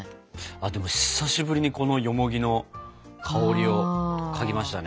あと久しぶりにこのよもぎの香りを嗅ぎましたね。